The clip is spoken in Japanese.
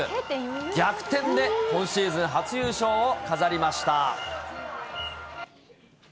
逆転で今シーズン初優勝を飾りました。